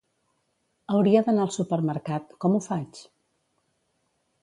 Hauria d'anar al supermercat, com ho faig?